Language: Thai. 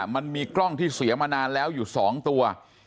มันมีกล้องที่เสียมานานแล้วอยู่๒ตัว